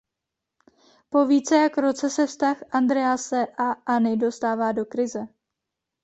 Po více jak roce se vztah Andrease a Anny dostává do krize.